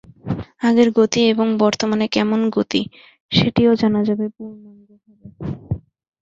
আগের গতি এবং বর্তমানে কেমন গতি, সেটিও জানা যাবে পূর্ণাঙ্গ ভাবে।